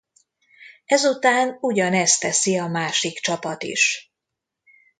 Ezután ugyanezt teszi a másik csapat is.